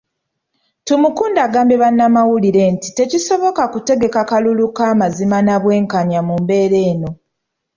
Tumukunde agambye bannamawulire nti tekisoboka kutegaka kalulu ka mazima na bwenkanya mu mbeera eno.